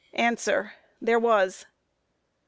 There was. Q.